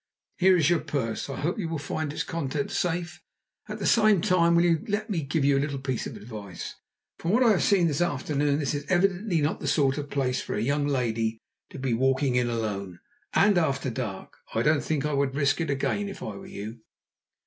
"Here is your purse. I hope you will find its contents safe. At the same time will you let me give you a little piece of advice. From what I have seen this afternoon this is evidently not the sort of place for a young lady to be walking in alone and after dark. I don't think I would risk it again if I were you."